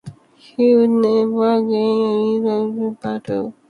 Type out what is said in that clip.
He would never again lead Athenians in battle.